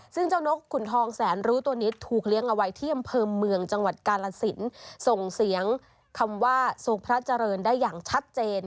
ซึ่งเจ้านกขุนทองแสนรู้ตัวนี้ถูกเลี้ยงเอาไว้ที่อำเภอเมืองจังหวัดกาลสินส่งเสียงคำว่าทรงพระเจริญได้อย่างชัดเจน